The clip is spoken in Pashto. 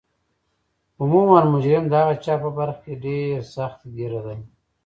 عموما مجرم د هغه چا په برخه کې ډیر سخت ګیره دی